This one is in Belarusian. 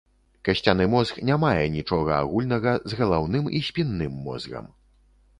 Касцяны мозг не мае нічога агульнага з галаўным і спінным мозгам.